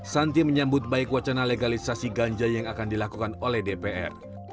santi menyambut baik wacana legalisasi ganja yang akan dilakukan oleh dpr